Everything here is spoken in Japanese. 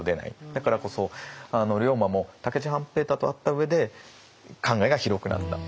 だからこそ龍馬も武市半平太と会った上で考えが広くなった。